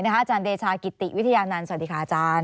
อาจารย์เดชากิติวิทยานันต์สวัสดีค่ะอาจารย์